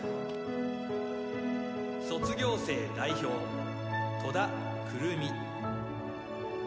卒業生代表戸田久留美。